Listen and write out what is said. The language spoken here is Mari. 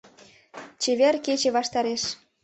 Чевер кече ваштареш